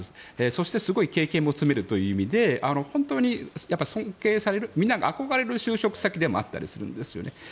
そしてすごい経験も積めるという意味で本当に尊敬されるみんなが憧れる就職先でもあったりするんですよね。